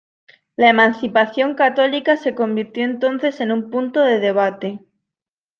La Emancipación católica se convirtió entonces en un punto de debate.